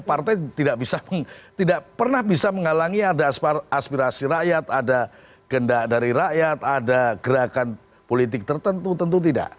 partai tidak pernah bisa menghalangi ada aspirasi rakyat ada gendak dari rakyat ada gerakan politik tertentu tentu tidak